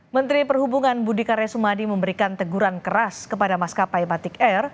menteri perhubungan budi karya sumadi memberikan teguran keras kepada maskapai batik air